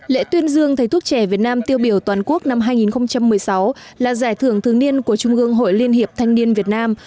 lễ tuyên dương thầy thuốc trẻ việt nam tiêu biểu toàn quốc năm hai nghìn một mươi sáu là giải thưởng thường niên của trung ương hội liên hiệp thanh niên việt nam